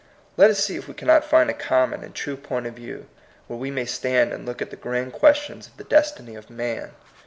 Let us see if we cannot find a common and true point of view where we may stand and look at the grand questions of the destiny of man.